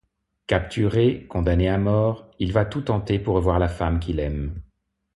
Capturé, condamné à mort, il va tout tenter pour revoir la femme qu'il aime.